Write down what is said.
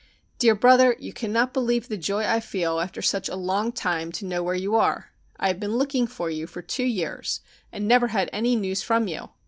Dear Brother, you cannot believe the joy I feel after such a long time to know where you are. I have been looking for you for two years, and never had any news from you.